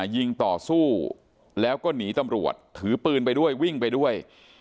ยิงต่อสู้แล้วก็หนีตำรวจถือปืนไปด้วยวิ่งไปด้วย